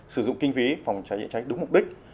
sử dụng kinh phí phòng cháy chữa cháy đúng mục đích